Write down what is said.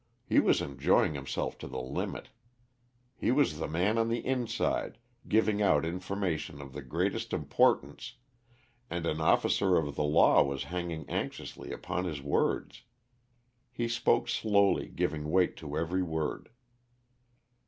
He was enjoying himself to the limit. He was the man on the inside, giving out information of the greatest importance, and an officer of the law was hanging anxiously upon his words. He spoke slowly, giving weight to every word.